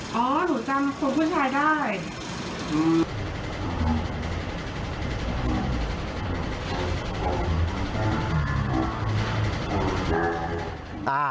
อ๋อหนูจำตัวผู้ชายได้